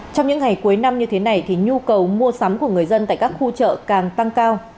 trong những ngày cuối năm như thế này thì nhu cầu mua sắm của người dân tại các khu chợ càng tăng cao